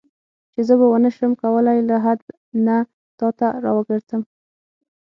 چې زه به ونه شم کولای له لحد نه تا ته راوګرځم.